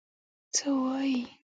_څه وايي؟